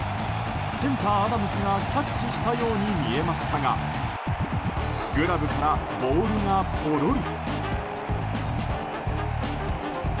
センターのアダムスがキャッチしたように見えましたがグラブからボールがポロリ。